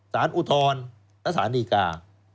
ศาลอุทรและศาลดีกา